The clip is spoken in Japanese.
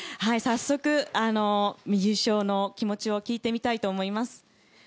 さっそく、優勝の気持ちを聞いてみたいと思います。